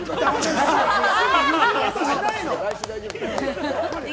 来週大丈夫だよ！